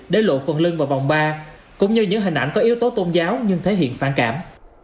để lộ phần lưng vào vòng ba cũng như những hình ảnh có yếu tố tôn giáo nhưng thể hiện phản cảm